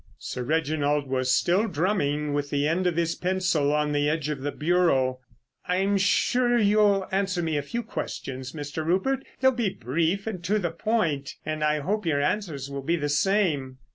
Sir Reginald was still drumming with the end of his pencil on the edge of the bureau. "I'm sure you'll answer me a few questions, Mr. Rupert. They'll be brief and to the point, and I hope your answers will be the same."